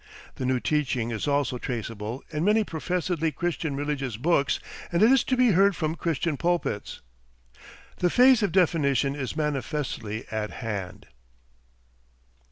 The new teaching is also traceable in many professedly Christian religious books and it is to be heard from Christian pulpits. The phase of definition is manifestly at hand.